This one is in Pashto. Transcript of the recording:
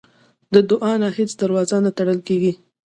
د دعا نه هیڅ دروازه نه تړل کېږي.